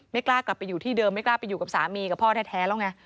กล้ากลับไปอยู่ที่เดิมไม่กล้าไปอยู่กับสามีกับพ่อแท้แล้วไง